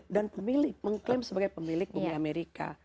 dan pemilik mengklaim sebagai pemilik bumi amerika